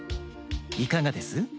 いかがです？